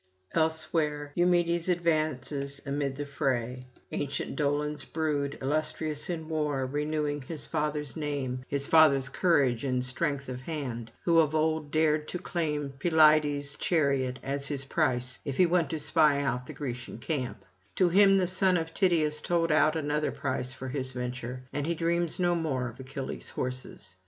Elsewhere Eumedes advances amid the fray, ancient Dolon's brood, illustrious in war, renewing his grandfather's name, his father's courage and strength of hand, who of old dared to claim Pelides' chariot as his price if he went to spy out the Grecian camp; to him the son of Tydeus told out another price for his venture, and he dreams no more of Achilles' horses.